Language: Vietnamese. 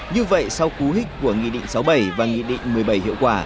như vậy sau cú hích của nghị định sáu mươi bảy và nghị định một mươi bảy hiệu quả